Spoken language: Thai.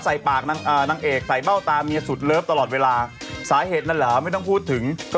ผ้าพาลดูแล้วเพราะว่าพอทรานส์ไม่ใช่นางเอก